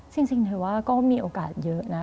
จริงเธอว่าก็มีโอกาสเยอะนะ